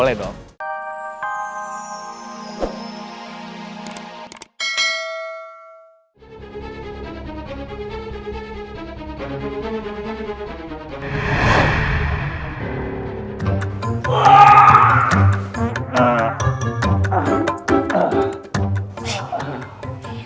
latihan terbakar doang